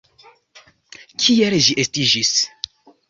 Kiel ĝi estiĝis?